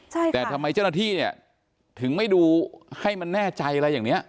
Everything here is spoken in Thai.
แต่ทำไมเจ้าหน้าที่เนี่ยถึงไม่ดูให้มันแน่ใจอะไรอย่างเนี้ย